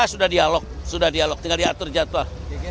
sudah dialog sudah dialog tinggal diatur jadwal